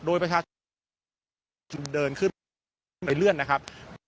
โดยประชาชนจึงเดินขึ้นไปเลื่อนนะครับ